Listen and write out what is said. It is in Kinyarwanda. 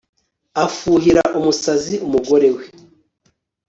Afuhira umusazi umugore we